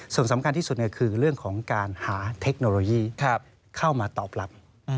ส่วนสำคัญที่สุดคือเรื่องของการหาเทคโนโลยีเข้ามาตอบรับ